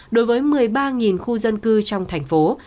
đối với một mươi ba khu dân cư trong thành phố